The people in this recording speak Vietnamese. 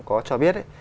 có cho biết